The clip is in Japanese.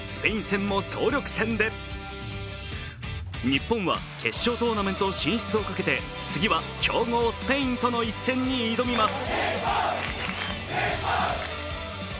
日本は決勝トーナメント進出をかけて次は強豪スペインとの一戦に挑みます。